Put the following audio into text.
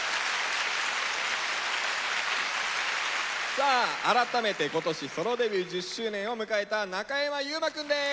さあ改めて今年ソロデビュー１０周年を迎えた中山優馬くんです！